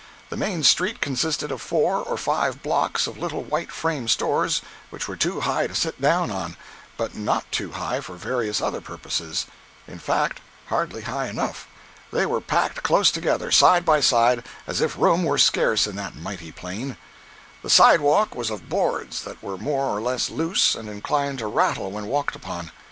The main street consisted of four or five blocks of little white frame stores which were too high to sit down on, but not too high for various other purposes; in fact, hardly high enough. They were packed close together, side by side, as if room were scarce in that mighty plain. The sidewalk was of boards that were more or less loose and inclined to rattle when walked upon.